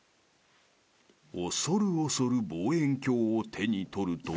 ［恐る恐る望遠鏡を手に取ると］